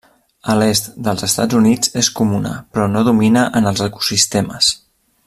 A l'est dels Estats Units és comuna però no domina en els ecosistemes.